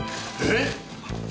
えっ！？